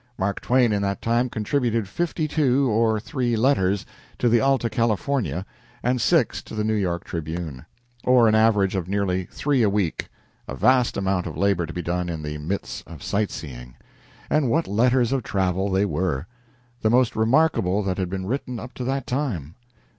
Mark Twain in that time contributed fifty two or three letters to the "Alta California" and six to the "New York Tribune," or an average of nearly three a week a vast amount of labor to be done in the midst of sight seeing. And what letters of travel they were! The most remarkable that had been written up to that time.